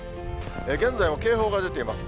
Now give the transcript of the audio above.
現在、警報が出ています。